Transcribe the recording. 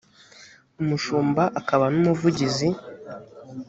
umushumba akaba n umuvugizi